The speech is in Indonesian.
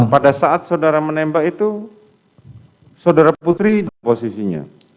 pada saat saudara menembak itu saudara putri posisinya